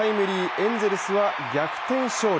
エンゼルスは逆転勝利。